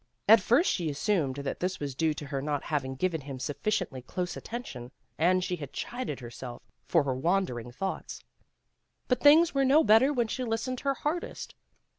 At first she assumed that this was due to her not hav ing given him sufficiently close attention, and she had chided herself for her wandering thoughts. But things were no better when she listened her hardest.